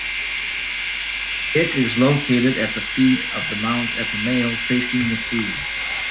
It is located at the feet of the Mount Epomeo, facing the sea.